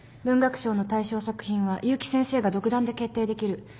文学賞の大賞作品は結城先生が独断で決定できる。